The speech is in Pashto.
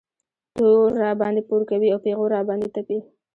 تور راباندې پورې کوي او پېغور را باندې تپي.